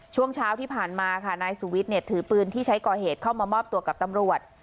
ช่วงเช้าที่ผ่านมาค่ะนายสุวิทย์เนี่ยถือปืนที่ใช้ก่อเหตุเข้ามามอบตัวกับตำรวจ